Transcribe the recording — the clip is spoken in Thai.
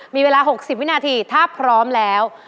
มีเวลา๖๐วินาทีถ้าพร้อมแล้ว